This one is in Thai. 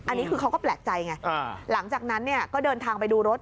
อันนี้คือเขาก็แปลกใจไงหลังจากนั้นเนี่ยก็เดินทางไปดูรถ